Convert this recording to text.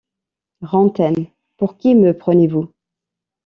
Rantaine, pour qui me prenez-vous?